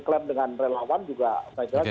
klaim dengan relawan juga saya kira